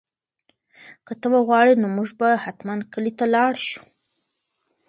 که ته وغواړې نو موږ به حتماً کلي ته لاړ شو.